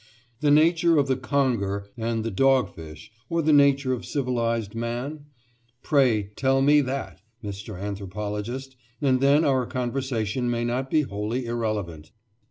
The nature of the conger and the dog fish, or the nature of civilised man? Pray tell me that, Mr. Anthropologist, and then our conversation may not be wholly irrelevant.